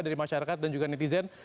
dari masyarakat dan juga netizen